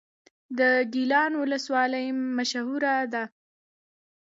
د ګیلان ولسوالۍ مشهوره ده